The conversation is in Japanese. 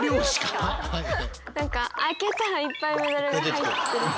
開けたらいっぱいメダルが入ってる。